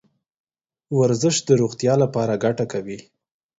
ورزش د روغتیا لپاره ګټه کوي .